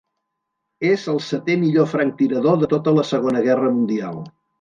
És el setè millor franctirador de tota la Segona Guerra Mundial.